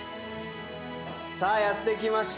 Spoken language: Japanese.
さあやって来ました。